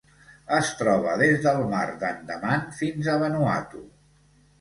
Es troba des del Mar d'Andaman fins a Vanuatu.